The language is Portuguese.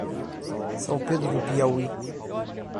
São Pedro do Piauí